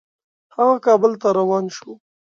هغه کابل ته روان شو.